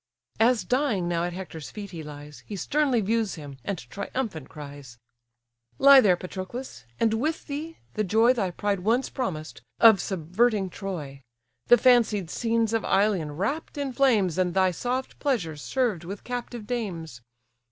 As dying now at Hector's feet he lies, He sternly views him, and triumphant cries: "Lie there, Patroclus! and with thee, the joy Thy pride once promised, of subverting Troy; The fancied scenes of Ilion wrapt in flames, And thy soft pleasures served with captive dames.